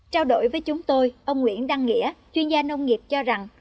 trao đổi với chúng tôi ông nguyễn đăng nghĩa chuyên gia nông nghiệp cho rằng